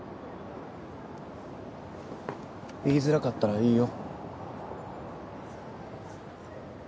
言いづらかったらいいよ。